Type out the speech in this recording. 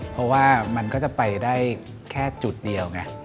เพราะว่ามันก็จะไปได้แค่จุดเดียวไง